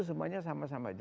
semuanya sama sama aja